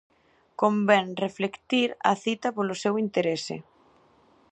Convén reflectir a cita polo seu interese: